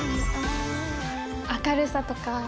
明るさとか。